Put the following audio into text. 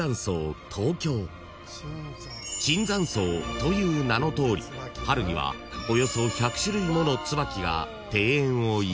［椿山荘という名のとおり春にはおよそ１００種類ものツバキが庭園を彩ります］